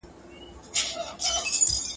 زه تر چا به چیغي یو سم زه تر کومه به رسېږم !.